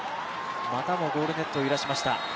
またもゴールネットを揺らしました。